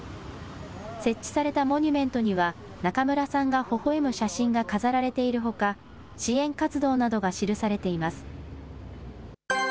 設置されたモニュメントには、中村さんがほほえむ写真が飾られているほか、支援活動などが記されています。